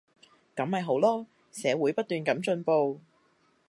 噉咪好囉，社會不斷噉進步